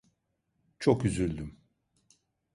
Çok üzüldüm.